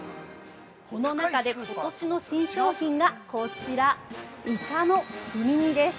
この中で、ことしの新商品がこちら、イカのスミ煮です。